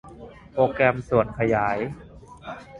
โปรแกรมส่วนขยาย